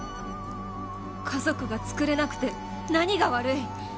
家族が作れなくて何が悪い！